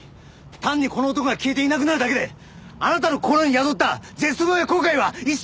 単にこの男が消えていなくなるだけであなたの心に宿った絶望や後悔は一生消えない！